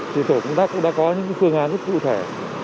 thì tổ công tác cũng đã có những phương án rất cụ thể